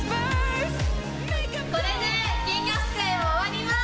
これで金魚すくいを終わります。